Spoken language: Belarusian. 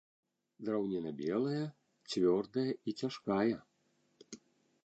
Драўніна белая, цвёрдая і цяжкая.